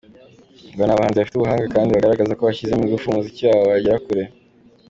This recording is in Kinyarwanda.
Ngo ni abahanzi bafite ubuhanga kandi bagaragaza ko bashyizemo ingufu umuziki wabo wagera kure.